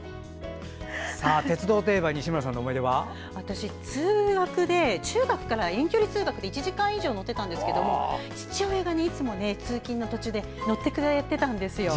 鉄道といえば私、通学で中学から遠距離通学で１時間以上乗ってたんですけど父親がいつも通勤の途中で乗ってくれたんですよ。